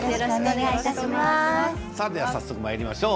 早速まいりましょう。